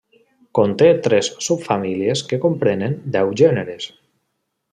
Conté tres subfamílies que comprenen deu gèneres.